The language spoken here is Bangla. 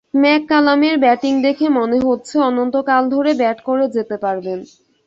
ম্যাককালামের ব্যাটিং দেখে মনে হচ্ছে অনন্তকাল ধরে ব্যাট করে যেতে পারবেন।